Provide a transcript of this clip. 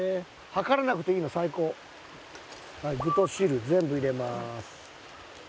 具と汁全部入れます。